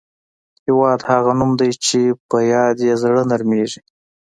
هېواد هغه نوم دی چې پر یاد یې زړه نرميږي.